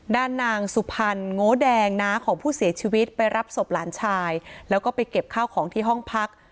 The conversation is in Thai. ด้านนางสุพรรณโง่แดงน้าของผู้เสียชีวิตไปรับศพหลานชายแล้วก็ไปเก็บข้าวของที่ห้องพัก